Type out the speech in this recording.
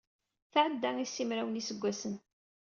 Tɛedda i simraw n yiseggasen.